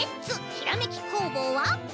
ひらめき工房」は。